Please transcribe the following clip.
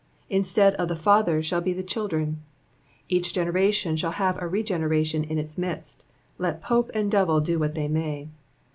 Instead of the fathers shall be the children. Each generation shall have a regeneration in its midst, let Pope and Devil do what they may.